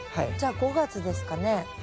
じゃあ５月ですかね。